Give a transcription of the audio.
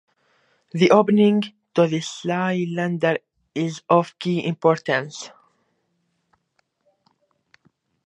The opening to the cylinder is of key importance.